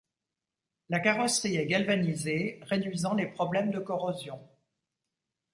La carrosserie est galvanisée, réduisant les problèmes de corrosion.